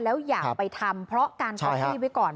แล้วอย่าไปทำเพราะการก๊อฟฟี่ไว้ก่อน